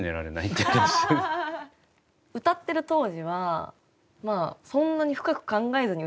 歌ってる当時はまあそんなに深く考えずに歌ってたんですよ。